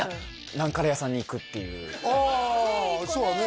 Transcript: ナンカレー屋さんに行くっていうああそうだね